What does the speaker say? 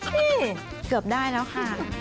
นี่เกือบได้แล้วค่ะ